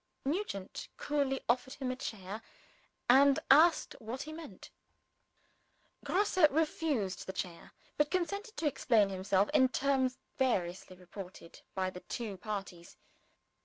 Nugent coolly offered him a chair, and asked what he meant. Grosse refused the chair but consented to explain himself in terms variously reported by the two parties.